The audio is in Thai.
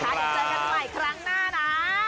เดี๋ยวเจอกันใหม่ครั้งหน้านะ